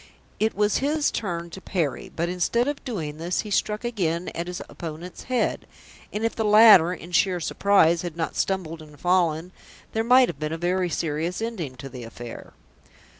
It was his turn to parry, but instead of doing this, he struck again at his opponent's head; and if the latter in sheer surprise had not stumbled and fallen, there might have been a very serious ending to the affair.